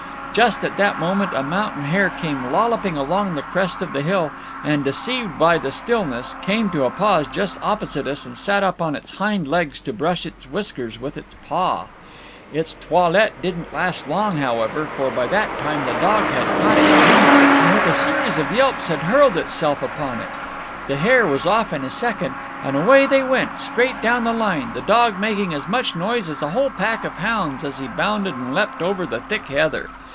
Just at that moment a mountain hare came lolloping along the crest of the hill, and, deceived by the stillness, came to a pause just opposite us and sat up on its hind legs to brush its whiskers with its paw. Its toilette didn't last long, however, for by that time the dog had caught its wind, and with a series of yelps had hurled itself upon it. The hare was off in a second, and away they went, straight down the line, the dog making as much noise as a whole pack of hounds as he bounded and leapt over the thick heather.